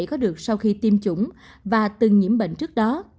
có được sau khi tiêm chủng và từng nhiễm bệnh trước đó